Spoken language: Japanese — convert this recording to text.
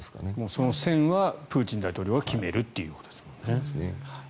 その線はプーチン大統領が決めるということですね。